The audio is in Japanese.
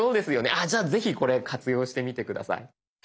あじゃあぜひこれ活用してみて下さい。